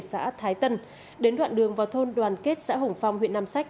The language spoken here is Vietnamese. phùng văn định đã bắt thái tân đến đoạn đường vào thôn đoàn kết xã hồng phong huyện nam sách